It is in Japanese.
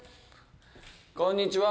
こんにちは。